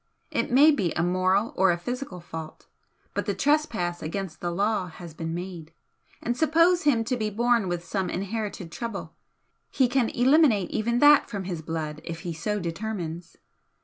It may be a moral or a physical fault, but the trespass against the law has been made. And suppose him to be born with some inherited trouble, he can eliminate even that from his blood if he so determines.